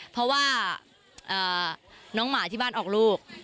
เพราะว่าน้องหมาที่บ้านออกลูก